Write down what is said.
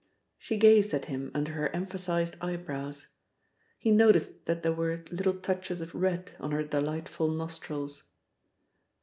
She gazed at him under her emphasized eyebrows. He noticed that there were little touches of red on her delightful nostrils.